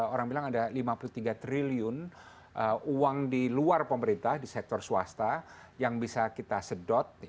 orang bilang ada lima puluh tiga triliun uang di luar pemerintah di sektor swasta yang bisa kita sedot